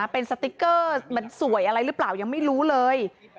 เป็นสติ๊กเกอร์มันสวยอะไรหรือเปล่ายังไม่รู้เลย